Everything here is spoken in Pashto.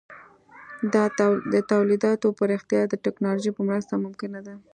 د تولیداتو پراختیا د ټکنالوژۍ په مرسته ممکنه ده.